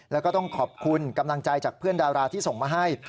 แล้วก็ต้องขอบคุณกำลังใจจากเพื่อนดาราที่ส่งมาให้